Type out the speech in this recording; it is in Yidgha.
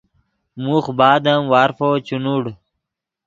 موخ بعد ام وارفو چے نوڑ